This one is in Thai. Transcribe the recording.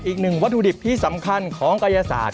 อีกหนึ่งวัตถุดิบที่สำคัญของกายศาสต